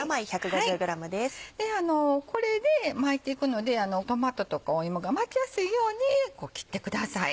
これで巻いていくのでトマトとか芋が巻きやすいように切ってください。